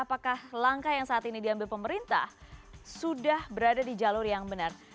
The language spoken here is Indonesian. apakah langkah yang saat ini diambil pemerintah sudah berada di jalur yang benar